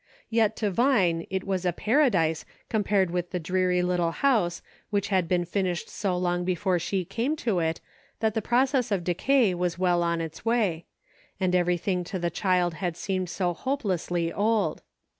Yet to Vine it was paradise com pared with the dreary little house which had been finished so long before she came to it, that the process of decay was well on its way ; and every thing to the child had seemed so hopelessly old.